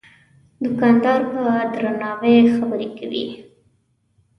دوکاندار په درناوي خبرې کوي.